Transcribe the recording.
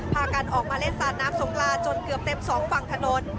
พากันออกมาเล่นสาดน้ำสงปลาจนเกือบเต็มสองฝั่งถนน